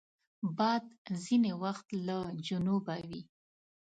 باد ځینې وخت له جنوبه وي